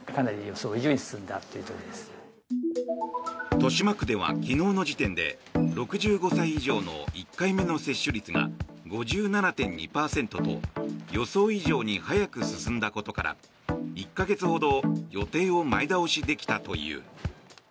豊島区では昨日の時点で６５歳以上の１回目の接種率が５７．２％と予想以上に早く進んだことから１か月ほど予定を前倒しできたという。